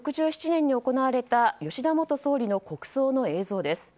１９６７年に行われた吉田元総理の国葬の映像です。